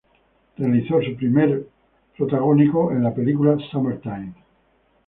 Realizó su primer protagónico en la película "Summer Times".